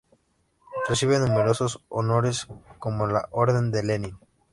Recibe numerosos honores como la Orden de Lenin.